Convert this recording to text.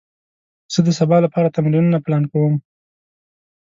زه د سبا لپاره تمرینونه پلان کوم.